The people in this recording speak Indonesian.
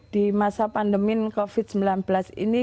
di masa pandemi covid sembilan belas ini